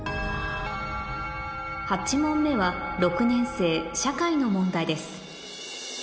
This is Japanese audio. ８問目は６年生社会の問題です